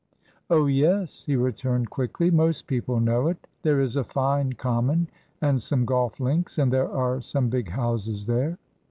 "Oh, yes," he returned, quickly. "Most people know it. There is a fine common, and some golf links, and there are some big houses there."